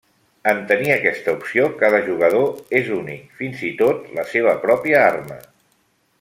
En tenir aquesta opció, cada jugador és únic, fins i tot la seva pròpia arma.